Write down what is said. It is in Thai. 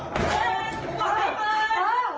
มากมามากมาครับ